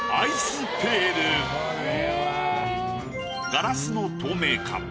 ガラスの透明感。